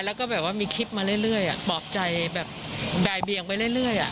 แล้วก็แบบว่ามีคลิปมาเรื่อยเรื่อยอ่ะบอกใจแบบแบ่ยเบียงไปเรื่อยเรื่อยอ่ะ